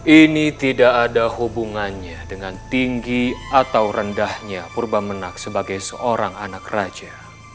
ini tidak ada hubungannya dengan tinggi atau rendahnya purba menak sebagai seorang anak raja